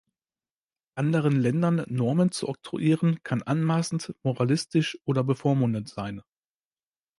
Anderen Ländern Normen zu oktroyieren, kann anmaßend, moralistisch oder bevormundend sein.